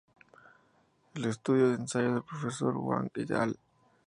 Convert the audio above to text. El estudio de ensayo del profesor Wang "et al.